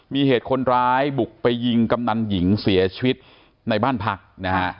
มีเหตุคนร้ายบุกไปยิงกำนันหญิงเสียชีวิตในบ้านพักนะฮะ